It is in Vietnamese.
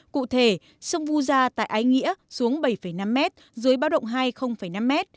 cụ thể sông vu gia tại ái nghĩa xuống bảy năm m dưới báo động hai năm m